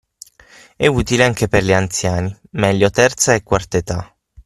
è utile anche per gli anziani (meglio Terza e Quarta età)